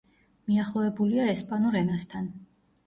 მიახლოებულია ესპანურ ენასთან.